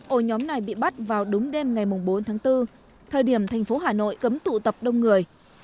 ổ nhóm này bị bắt vào đúng đêm ngày bốn tháng bốn thời điểm thành phố hà nội cấm tụ tập đông người